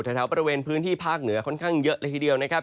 แถวบริเวณพื้นที่ภาคเหนือค่อนข้างเยอะเลยทีเดียวนะครับ